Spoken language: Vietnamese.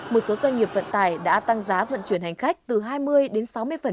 một số doanh nghiệp vận tải đã tăng giá vận chuyển hành khách từ hai mươi đến sáu mươi